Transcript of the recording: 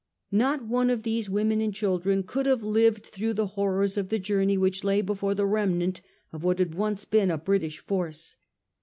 Not one of these women and children could have lived through the horrors of the journey which lay before the remnant of what had once been a British force.